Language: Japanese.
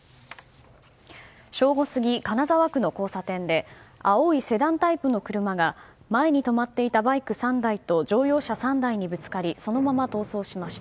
正午過ぎ、金沢区の交差点で青いセダンタイプの車が前に止まっていたバイク３台と乗用車３台にぶつかりそのまま逃走しました。